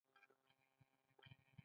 آیا سیګرټ هلته ډیر ګران نه دي؟